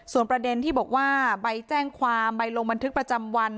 ส่วนประเด็นที่บอกว่าใบแจ้งความใบลงบันทึกประจำวัน